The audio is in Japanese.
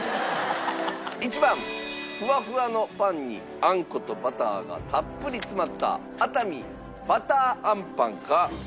１番ふわふわのパンにあんことバターがたっぷり詰まった熱海ばたーあんパンか？